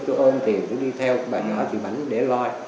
tôi ôm tiền tôi đi theo bà vợ chị bảnh để lo